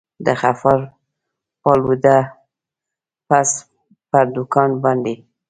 د غفار پالوده پز پر دوکان باندي.